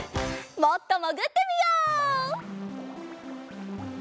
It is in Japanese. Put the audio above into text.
もっともぐってみよう！